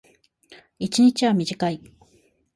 一日は短い。